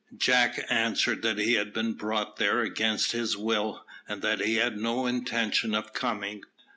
Jack answered that he had been brought there against his will, and that he had no intention of coming.